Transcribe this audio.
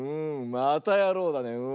またやろうだねうん。